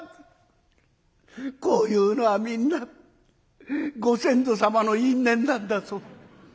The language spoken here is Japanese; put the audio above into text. こういうのはみんなご先祖様の因縁なんだそう。